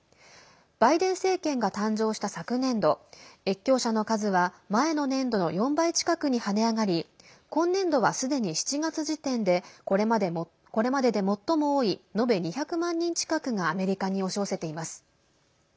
バイデン政権が誕生した昨年度越境者の数は前の年度の４倍近くに跳ね上がり今年度は、すでに７月時点でこれまでで最も多い延べ２００万人近くがアメリカに押し寄せています。